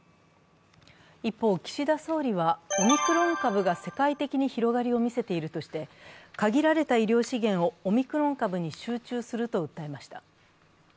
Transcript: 一方、岸田総理はオミクロン株が世界的に広がりを見せているとして、限られた医療資源をオミクロン株に集中すると訴えました。